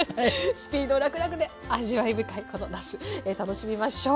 スピードらくらくで味わい深いこのなす楽しみましょう。